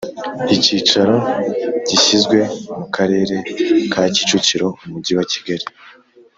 Icyicaro gishyizwe mu karere ka Kicukiro Umujyi wakigali